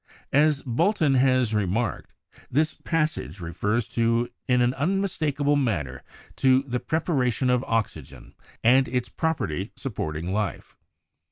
As Bolton has remarked, this passage refers "in an unmistakable manner to the prepara 132 CHEMISTRY tion of oxygen and its property of supporting life."